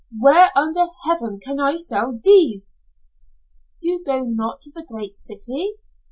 "Where under heaven can I sell these?" "You go not to the great city?"